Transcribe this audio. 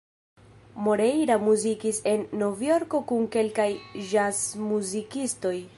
Moreira muzikis en Novjorko kun kelkaj ĵazmuzikistoj.